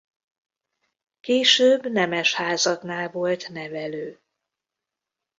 Később nemes házaknál volt nevelő.